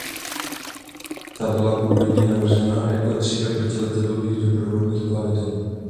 Ta byla původně navržena jako třída protiletadlových doprovodných plavidel.